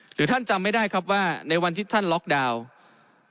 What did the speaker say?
หรือท่านจำไม่ได้ครับว่าในวันที่ท่านล็อกดาวน์